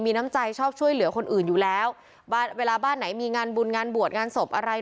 มีน้ำใจชอบช่วยเหลือคนอื่นอยู่แล้วบ้านเวลาบ้านไหนมีงานบุญงานบวชงานศพอะไร